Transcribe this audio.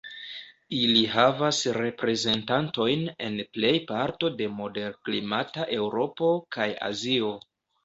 Ili havas reprezentantojn en plej parto de moderklimata Eŭropo kaj Azio.